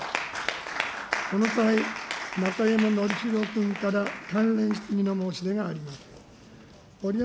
この際、中山展宏君から関連質疑の申し出があります。